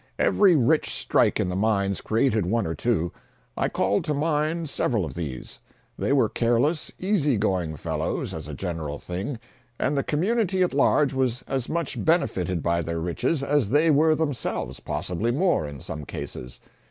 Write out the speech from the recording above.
Every rich strike in the mines created one or two. I call to mind several of these. They were careless, easy going fellows, as a general thing, and the community at large was as much benefited by their riches as they were themselves—possibly more, in some cases.